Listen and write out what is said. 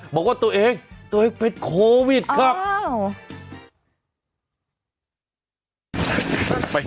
บอกว่าตัวเองตัวเองเป็นโควิดครับ